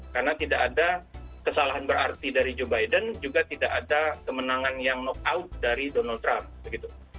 karena tidak ada kesalahan berarti dari joe biden juga tidak ada kemenangan yang knock out dari donald trump